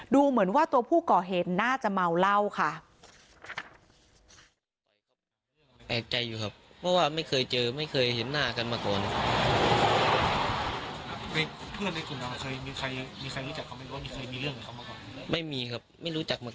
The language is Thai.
ดูเหมือนว่าตัวผู้ก่อเหตุน่าจะเมาเหล้าค่ะ